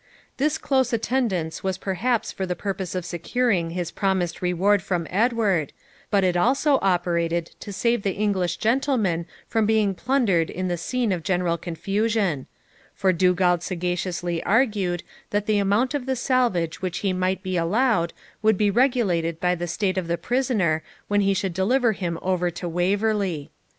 This close attendance was perhaps for the purpose of securing his promised reward from Edward, but it also operated to save the English gentleman from being plundered in the scene of general confusion; for Dugald sagaciously argued that the amount of the salvage which he might be allowed would be regulated by the state of the prisoner when he should deliver him over to Waverley.